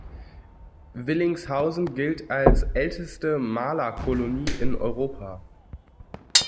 Willingshausen gilt als älteste Malerkolonie in Europa.